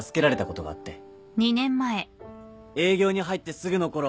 営業に入ってすぐのころ